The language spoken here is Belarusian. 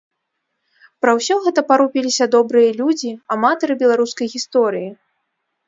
Пра ўсё гэта парупіліся добрыя людзі, аматары беларускай гісторыі.